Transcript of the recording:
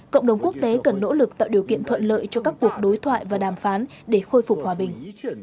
cộng đồng quốc tế cần nỗ lực tạo điều kiện thuận lợi cho các cuộc đối thoại và đàm phán để khôi phục hòa bình